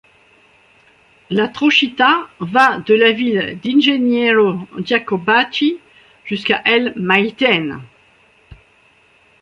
La Trochita va de la ville d'Ingeniero Jacobacci jusqu'à El Maitén.